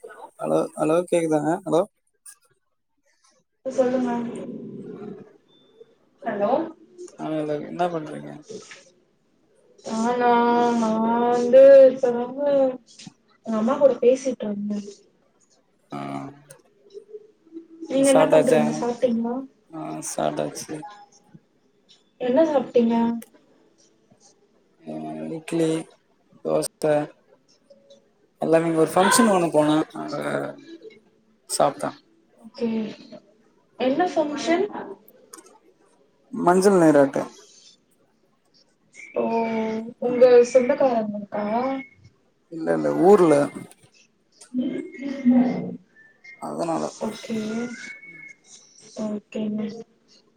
Hello hello hello கேக்குதாங்க hello இப்ப சொல்லுங்க ஹலோ ஆ ஹலோ என்ன பண்றீங்க ஆனா நாலு தரவ எங்க அம்மா கூட பேசிட்டு இருந்த ஆ நீங்க என்ன சாப்டாச்சா பண்றீங்க சாப்டீங்ளா ஆ சாப்டாச்சு என்ன சாப்ட்டீங்க ம், இட்லி தோச எல்லாமே இங்க ஒரு பங்க்ஷன் ஒண்ணு போன அங்க சாப்ட்டா ஓகே, என்ன ஃபங்க்ஷன்? மஞ்சள் நீராட்டு ஓ உங்க சொந்தக்காரங்களுக்கா இல்ல இல்ல ஊர்ல அதனால ஓகே ஓகேங்க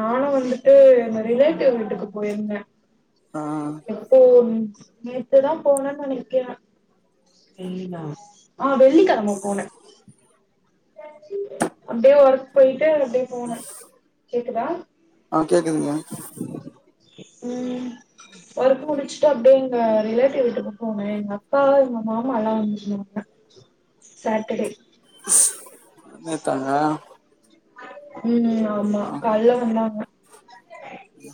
நானு வந்துட்டு எங்க ரிலேட்டிவ் வீட்டுக்கு போயிருந்தே ஆ அப்போ நேத்துதா போனன்னு நெனைக்கிற ஆ வெள்ளிக்கெழம போன அப்டியே ஒர்க் போயிட்டு அப்டியே போன, கேக்குதா ஆ கேக்குதுங்க ம் ஒர்க்கு முடிச் சு அப்டே எங்க ரிலேட்டிவ் வீட்டுக்கு போனே எங்க அக்கா எங்க மாமா எல்லா வந்துருந்தாங்க சாட்டடே நேத்தாங்க ம் ஆமா கால்ல வந்தாங்க நா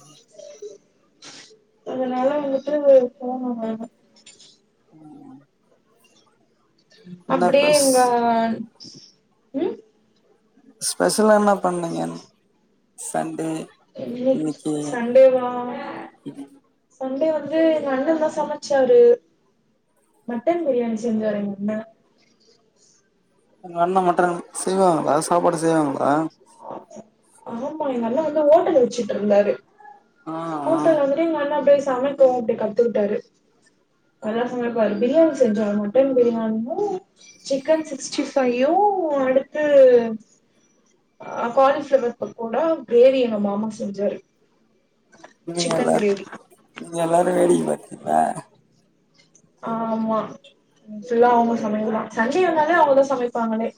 அதனால வந்துட்டு சேரி போனோங்க ம் அப்படே எங்க ம் ஸ்பெஷலா என்ன பண்ணிங்கன் சண்டே இன்னிக் இன்னைக்கு சண்டேவா சண்டே வந்து எங்கண்ணதா சமைச்சாரு மட்டன் பிரியாணி செஞ்சாரு எங்கண்ண உங்க அண்ணா மட்டன் செய்வாங்களா சாப்பாடு செய்வாங்களா ஆமா எங்க அண்ண வந்து ஹோட்டல் வெச்சுட்ருந்தாரு ஆ ஆ ஹோட்டல் வந் து எங்கண்ண அப்டே சமைக்கவு அப்டே கத்துக்கிட்டாரு நல்லா சமைப்பாரு பிரியாணி செஞ்சா மட்டன் பிரியாணியு சிக்கன் சிக்ஸ்டி ஃபையு அடுத்து ஆ காலிஃபிளவர் பக்கோட க்ரேவி எங்க மாமா செஞ்சாரு நீங்க சிக்கன் எல்லார் கிரேவி நீங்க எல்லாரு வேடிக்க பாத்தீங்ளா ஆமா ஃபுல்லா அவுங்க சமையல்தா சண்டே வந்தாலே அவுங்கதா சமைப்பாங்களே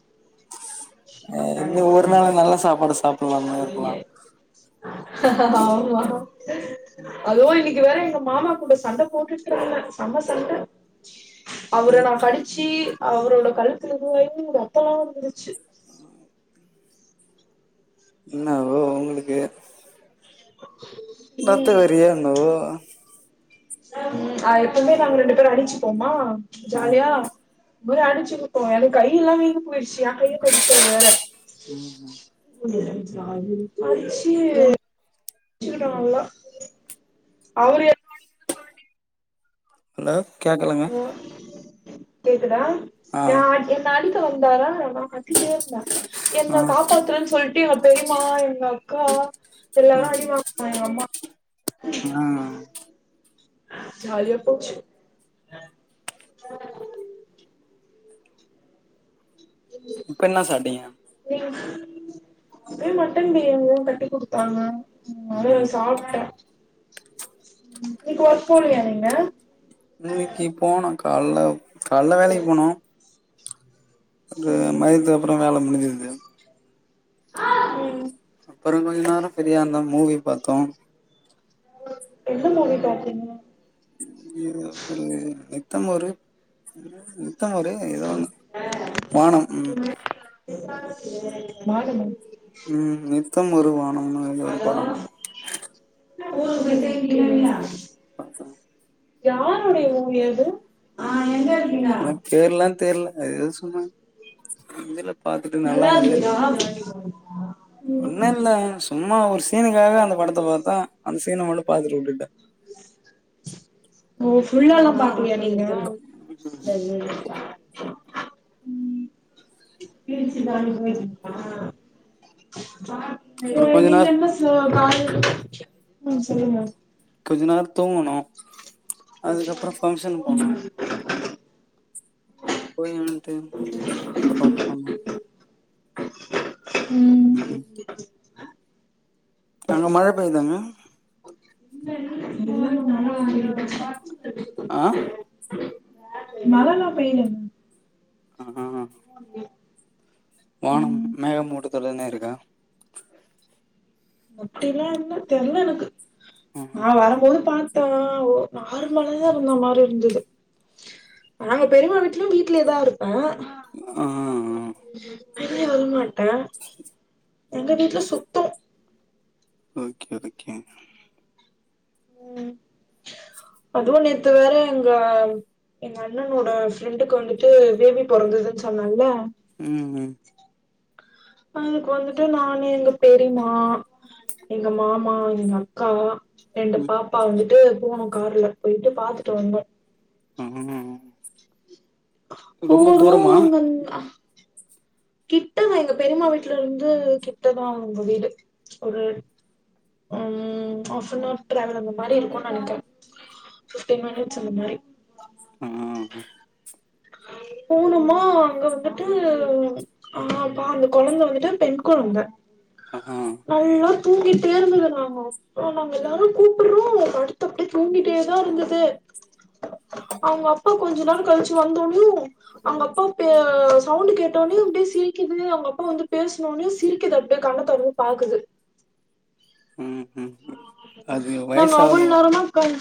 அ இன்னிக் ஒரு நாள்னா நல்லா சாப்பாடு சாப் உ ஆமா அவு இன்னிக்கு வேற எங்க மாமா கூட சண்டை போட்டுட்ருந்த சம்ம சண்ட அவுர நா கடிச்சு அவுரோட கழுத்துல இதுவாயி ரத்தல்லா வந்துரிச்சு இன்னோவோ உங்களுக்கு உ ரத்த வெறியோ இன்னாவோ ம் அ எப்பொதுமே நாங்க ரெண்டு பேரு அடிச்சுப்போமா ம் ஜாலியா இன்மாரி அடிச்சிக்குபோ எனக்கு கை எல்லா வீங்கி போயிருச்சு ஏ கைய கடிச்சாரு வேற ம் ம். கடிச்சி ச்சிக்கிட்டோ நல்லா அவுரு எ ஹலோ கேக்கலங் கேக்குதா ஆ நா என் ன அடிக்க வந்தாரா நா கத்திட்டே இருந்த என்ன ஆ காப்பாத்துறன் சொல்ட்டு எங்க பெரிம்மா எங்க அக்கா எல்லா எல்லாரு ம் அடி வாங் அ எங்கம்மா ஆ ஜாலியா போச்சு இப்ப என்னா சாப்டீங்க [unintelligible] அதே மட்டன் பிரியாணிதா கட்டி குடுத்தாங்க அது ம் சாப்ட்டே இப்ப ஒர்க் போலயா நீங்க இன்னக்கி போனு காலேல காலேல வேலக்கி போனோ அங்க மதியத்துக்கு அப்பறோ வேல முடுஞ்சது ம் அப்பறோ கொஞ்ச நேரோ ஃபிரியா இருந்தோ மூவி பாத்தோ எந்த மூவி பாத்திங்க இ ஒரு நித்தம் ஒரு நித்தம் ஒரு எதோ ஒண்ணு வானம் ம் வானமா ம் நித்தம் ஒரு வானம்னு எதோ ஒரு படம் போகியா பாத்தே யாருடைய மூவி அது எனக் பேர்லா தெர்ல அது எதோ சொன்னாங்க தெர்ல பாத்துட்டு நல்லா இருந்தது ஒண்ணு இல்ல சும்மா ஒரு சீனுக்காக அந்த படத்த பாத்தோ அந்த சீன மட்டு பாத்துட்டு விட்டுட்டே ஓ ஃபுல்லாலா பாக்கலயா நீங்க தச்சு போ இப்ப அப்புறம் கொஞ்ச நீங்க நேர என்னா ஸ்லோவா காலேல கொஞ்ச நேரோ தூங்குனோ அதுக்கப்பறோ பங்சனுக் போனோ போய் வன்ட்டு அப்பறோ ஒக்காந்தோ ம் ம் ம் அங்க மழ பெய்தாங்க இந்த ஊர்ல மழ [inaudible] ஆ மழலா பெய்லங்க ஆ உ வானம் மேக மூட்டத்துடனே இருக்கா அப்டிலா இல்ல தெர்ல எனக்கு ம் நா ம் வரம்போது பாத் இப்ப ஒ நார்மலாதா இருந்தா மாரி இருந்தது நாங்க பெரிமா வீட்லயு வீட்லயேதா இருப்பே ஆ ஆ வெளிய வரமாட்டே எங்க வீட்ல சுத்தோ ஓகே ஓகே அதுவு நேத்து வேற எங்க எங்க அண்ணனோட ஃப்ரெண்டுக்கு வந்துட்டு பேபி பொறந்ததுன் சொன்னாங்களா ம் ம் அன்னைக்கு வந்துட்டு நானு எங்க பெரிமா எங்க மாமா இருந்தாங் அவ்ளதா ரெண்டு ம் பாப்பா வந்துட்டு போனோ கார்ல போய்ட்டு பாத்துட்டு வந்தோ ம் ம் ரொம்ப போறோ தூரமா கிட்டதா எங்க பெரிமா வீட்ல இருந்து கிட்டதா அவ்ங்க வீடு ஒரு ம் ஆஃபனார் ட்ராவல் அந்த மாரி இருக்குன் நெனைக்கறே ஃபிஃப்டீன் மினிட்ஸ் இந்த மாரி ஆ அஹ போனோமா அங்க வந்துட்டு ஆ அப்ப அந்த கொழந்த வந்துட்டு பெண் கொழந்த ஆஹ நல்லா தூங்கிட்டே இருந்துது நானு ஆ நாங்க எல்லாரு கூப்புடுறோ படுத்து அப்டியே தூங்கிட்டேதா இருந்தது அவ்ங்க அப்பா கொஞ்சொ நேர கழிச்சு வந்தோனுயு அவ்ங்க அப்பா பே சவுண்ட் கேட்டோனே அப்டியே சிரிக்குது அவங்க அப்பா வந்து பேசனோனே சிரிக்குது அப் டியே கண்ண தொறந்து பாக்குது ம் ம் ம். அது நாங்க அவ்வளோ நேரமா உக்காந்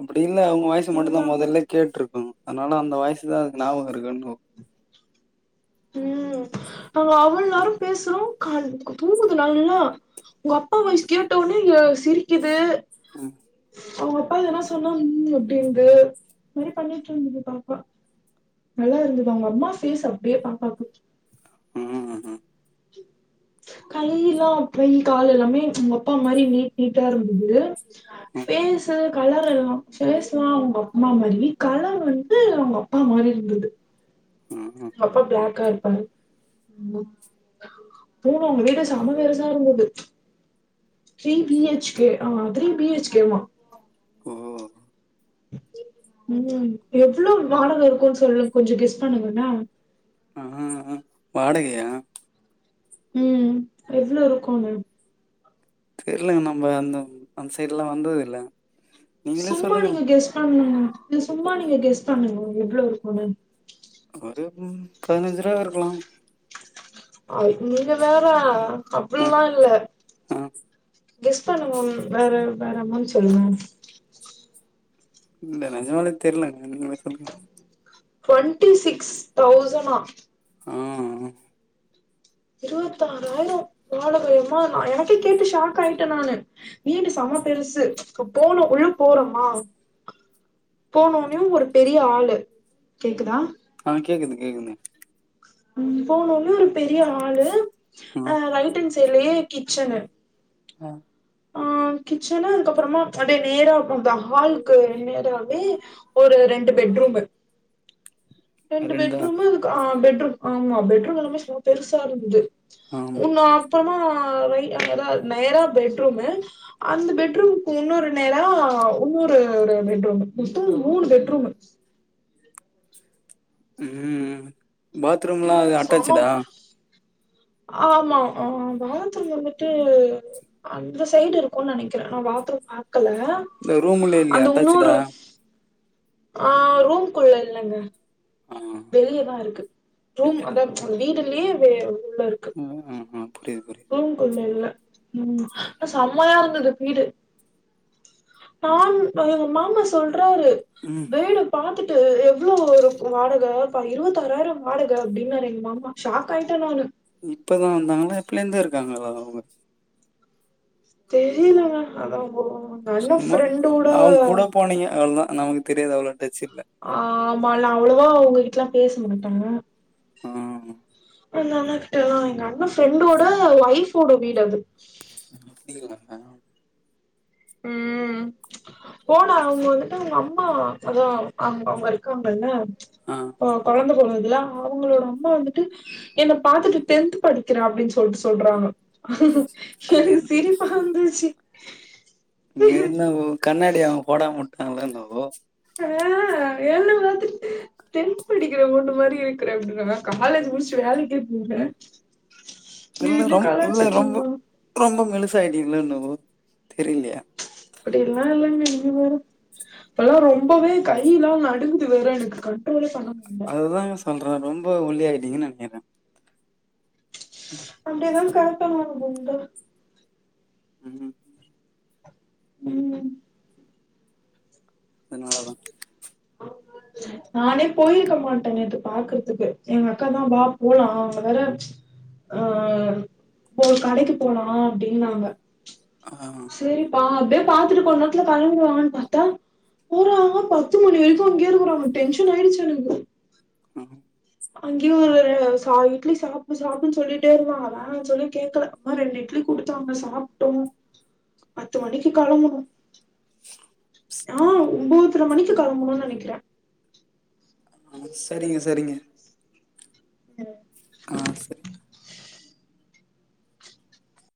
அப்டீல்ல அவ்ங்க வாய்ச மட்டுந்தா மொதல்ல கேட்டுருக்கு அதனால அந்த வாய்சுதா அதுக் நாபகோ இருக்கோ என்னவோ ம் நாங்க அவ்ளோ நேரோ பேசுறோ காதுக்து தூங்குது நல்லா ஒங்க அப்பா வாய்சு கேட்டோனே ய சிரிக்குது ம் அவ்ங்க அப்பா எதனா சொன்னா ம் அப்டிங்குது இந் மாரி பண்ணிட்ருந்துது பாப்பா நல்லா இருந்துது அவ்ங்க அம்மா ஃபேஸ் அப்டியே பாப்பாக்கு ம் ம் ம் கைய்யிலா பெய் காலெல்லாமே ஒங் அப்பா மாரி நீட் நீட்டா இருந்துது ஃபேஸுத கலர் எல்லா ஃபேஸ்லா அவுங்க அப்மா மாரி கலர் வந்து அவுங்க அப்பா மாரி இருந்துது ம், ம். அப்பா பிளாக்கா இருப்பாரு போனோ அவ்ங்க வீடு செம பெருசா இருந்துது த்ரீ பி எச் கே ஆ அ த்ரீ பி எச் கே வா ஓ ம் எவ்ளோ வாடக இருக்குன்னு சொல்லு கொஞ்சொ கெஸ் பண்ணுங்க என்ன அ அ அ வாடகையா ம் எவ்ளோ இருக்குண்ண தெர்லங்க நம்ம அந்த அந் சைட்லா வந்தது இல்ல நீங்களே சும்மா சொல்லுங்களே நீங்க கெஸ் பண்ணுங்க நீ சும்மா நீங்க கெஸ் பண்ணுங்கோ எவ்ளோ இருக்கும்னு ஒரு ம் பதினஞ்சு ருவா இருக்கலாம் அய் நீங்க வேற ஆ அப்புட்லா இல்ல ஆ கெஸ் பண்ணுங்க ம் வேற வேற மாரி சொல்லுங்க இல்ல நெஜமாலே தெர்லங்க நீங்களே சொல்லுங்க டொவ்ன்ட்டி சிக்ஸ் தௌசணா ஆ அ இருவத்தாறாயிரோ வாழ மயம்மா நா எனக்கே கேட்டு ஷாக் ஆயிட்டே நானு வீடு செம்ம பெருசு இப்பொ போனோ உள்ள போறோமா போனோன்யும் ஒரு பெரிய ஆலு கேக்குதா ஆ கேக்குது கேக்குது ம் போனோனே ஒரு பெரிய ஹாலு ஆ அ ரைட்டன் சைட்லயே கிச்சனு ஆ ஆ கிச்சனு அதுக்கப்றமா அப்டியே நேரா அந்த ஹால்க்கு நேராவே ஒரு ரெண்டு பெட்ரூமு [inaudible] ரெண்டு பெட்ரூமு ஒரு ஆ பெட்ரூம் ஆமா பெட்ரூம் எல்லாமே செம பெருசா இருந்துது ஆமா உன்ன அப்பமா ரை அதா நேரா பெட்ரூமு அந்த பெட்ரூமுக்கு இன்னுரு நேரா உன்னுரு ஒரு பெட்ரூமு மொத்தோ ஒரு மூணு பெட்ரூமு ம் பாத்ரூம்லா அட்டாச்சுடா சமப் ஆமா ஆ பாத்ரூம் வந்துட்டு அந்த சைட் இருக்கு நனைக்கிற நா பாத்ரூம் பாக்கல இந்த ரூமுள்ளே இல்லயா அந்த அட்டச்சுடா இன்னொரு ஆ ரூம் குள்ள இல்லங்க ஆ வெளியதா இருக்கு ரூம் வெளியடா அதா வீடுலயே வெ உள்ள இருக்கு ம் ம் ம் புரிது புரிது ரூம் குள்ள இல்ல ம் ஆனா சம்மையா இருந்தது வீடு நான் எங்க மாமா சொல்றாரு ம் வேணும் பாத்துட்டு எவ்ளோ வரு வாடக ப்பா இருவத்தாறாயிரோ வாடக அப்டின்னாரு எங்க மாமா ஷாக் ஆய்ட்ட நானு இப்பதா வந்தாங்களா எப்பலேந்தே இருக்காங்கலா அவங்க தெரிலங்க அதா போ நல்ல சும்மா ஃப்ரெண்டோட அவங்க கூட போனீங்க அவ்ளதா நமக்கு தெரியாது அவ்ளோ டச் இல்ல ஆ ஆமா நா அவ்ளவா அவங்க கிட்டல்லா பேச மாட்டாங்க ம் எ அண்ணா கிட்ட எல்லாம் எங்க அண்ண ஃப்ரெண்டோட ஒய்ஃபோட வீடு அது அப்டியாங்க ம் போனா அவங்க வந்துட்டு அவங்க அம்மா அதா அவங் அவங்க இருக்காங்கல்ல ஆ கொழந்த பொறந்ததுல்ல அவங்களோட வந்துட்டு என்ன பாத்துட்டு டென்த் படிக்கிறா அப்டின்னு சொல்ட்டு சொல்றாங்க சரி என் சிரிப்பா வந்துச்சு என்னவோ கண்ணாடி அவங்க போடாம உட்டாங்களா என்னவோ அ என்ன பாத்து டென்த் படிக்கிற பொண்ணு மாரியே இருக்குற [unintelligible] காலேஜ் முடிச்சு வேலைக்கே போய்ட்ட இல்ல ரொம் இல்ல ரொம்ப ரொம்ப மெழுசாயிட்ங்களோ என்னவோ தெரிலிய அப்படி எல்லா இல்லங்க இது வெரு இப்பல்லா ரொம்பவே கையிலா நடுங்குது வேற எனக்கு கண்ட்ரோலே பண்ண முடில அதுதாங்க சொல்ற ரொம்ப ஒல்லியாய்ட்டடிங்கன் நினைக்கிற அப்டி தா கடத்தனு [unintelligible] ம் ம் ம் அதனாலதா உ நானே போயிருக்க மாட்ட நேத்து பாக்கறதுக்கு எங்க அக்கா தா வா போலா அவ வர அ போ கடைக்கு போனு அப்டின்னாங்க ஆ சேரிப்பா அப்டியே பாத்துட்டு கொஞ்ச நேரத்துல கலம்பிரு வாங்கன்னு பாத்தா போறாங்க பத்து மணி வரைக்கு அங்கயே இருகுறாங்க டென்ஷன் ஆய்டுச்சு எனக்கு ம் அங்கேயு சா இட்லி சாப்டு சாப்டுன்னு சொல்லிட்டே இருந்தாங்க வேனா சொல்லியு கேக்கல அம்மா ரெண்டு இட்லி குடுத்தாங்க சாப்ட்டோ பத்து மணிக்கு களம்பணு ஸ்- ஆஹ் ஒன்போதரை மணிக்கு களம்பணுனு நெனைக்கிறே ஆஹ் சரிங்க சரிங்க [inaudible] ஆ சரி